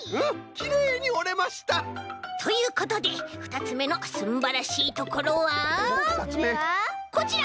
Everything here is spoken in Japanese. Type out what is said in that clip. きれいにおれました！ということでふたつめのすんばらしいところはこちら！